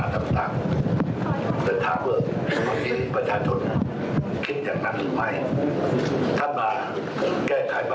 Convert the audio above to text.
ท่านมาแก้ไขปัญหาความแตกแยก